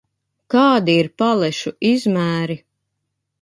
Kādi ir palešu izmēri?